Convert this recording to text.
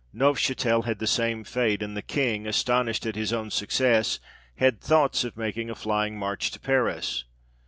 Neufchatel had the same fate ; and the King, astonished at his own success, had thoughts of making a flying march to Paris.